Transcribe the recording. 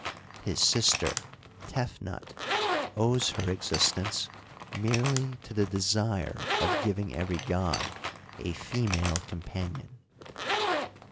His sister Tefnut owes her ex istence merely to the desire of giving every god a female companion.